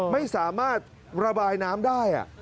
ไม่สามารถระบายน้ำได้